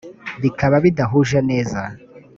bikaba bidahuje neza